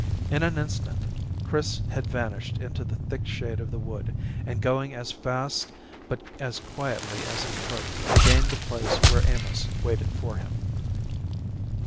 In an instant Chris had vanished into the thick shade of the wood, and going as fast but as quietly as he could, regained the place where Amos waited for him.